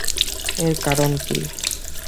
এর কারণ কি?